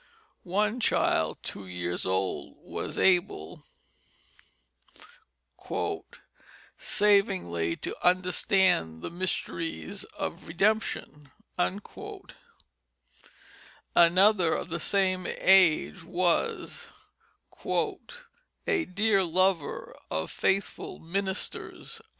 One child two years old was able "savingly to understand the mysteries of Redemption"; another of the same age was "a dear lover of faithful ministers."